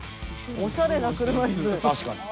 おしゃれな車いす。